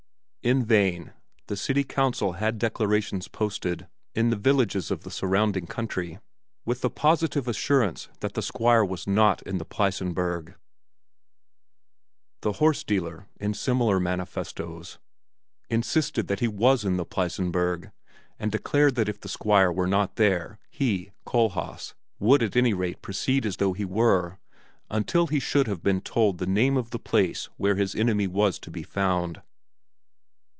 In vain the city council had declarations posted in the villages of the surrounding country, with the positive assurance that the Squire was not in the Pleissenburg. The horse dealer, in similar manifestos, insisted that he was in the Pleissenburg and declared that if the Squire were not there, he, Kohlhaas, would at any rate proceed as though he were until he should have been told the name of the place where his enemy was to be found.